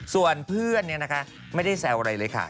ส่วนเพื่อนเนี่ยนะคะไม่ได้แซวอะไรเลยค่ะ